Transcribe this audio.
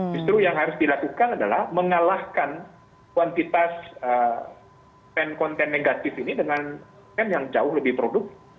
justru yang harus dilakukan adalah mengalahkan kuantitas konten konten negatif ini dengan konten yang jauh lebih produktif